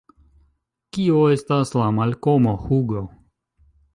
Kio estas al Malkomo, Hugo?